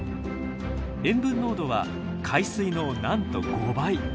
塩分濃度は海水のなんと５倍。